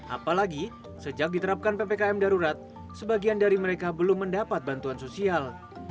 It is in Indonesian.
apalagi sejak diterapkan ppkm darurat sebagian dari mereka belum mendapat bantuan sosial